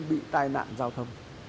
bị tai nạn giao thâm